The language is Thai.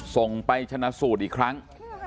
ส่งไปชนะสูตรอีกครั้ง